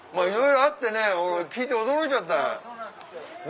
いろいろあってね聞いて驚いちゃった。